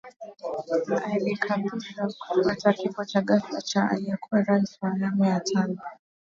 Alikapishwa kufuatia kifo cha ghafla cha aliyekuwa Rais wa awamu ya tano